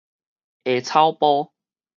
下草埔